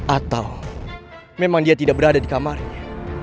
atau memang dia tidak berada di kamarnya